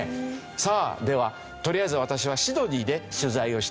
さあではとりあえず私はシドニーで取材をしてきました。